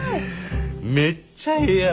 めっちゃええやろ？